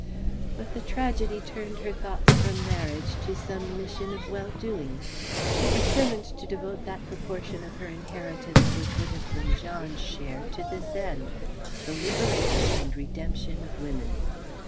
But the tragedy turned her thoughts from marriage to some mission of well doing. She determined to devote that proportion of her inheritance which would have been John's share to this end: the liberation and redemption of women.